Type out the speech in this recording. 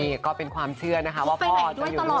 นี่ก็เป็นความเชื่อนะคะว่าพ่อจะอยู่